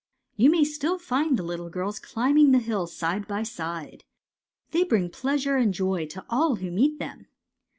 You may still find the little girls climbing the hills side by side. They bring pleasure and joy to all who meet them.